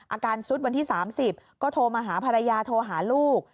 อาการซุดวันที่๓๐ก็โทรมาหาภรรยาโทรหาลูก